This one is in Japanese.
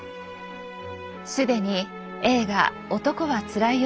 既に映画「男はつらいよ」